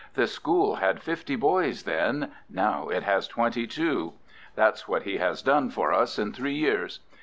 The school had fifty boys then. Now it has twenty two. That's what he has done for us in three years.